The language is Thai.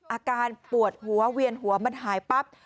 อาการปวดหัวเวียนหัวมันหายปั๊บ